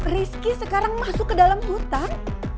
rizky sekarang masuk ke dalam hutan